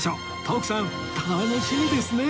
徳さん楽しみですね！